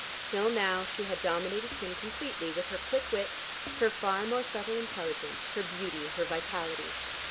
Till now she had dominated him completely with her quick wit, her far more subtle intelligence, her beauty, her vitality.